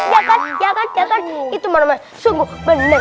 ya kan ya kan ya kan itu bener bener